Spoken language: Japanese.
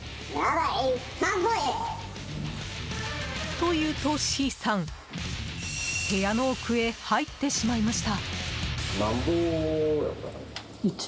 と言うと、Ｃさん部屋の奥へ入ってしまいました。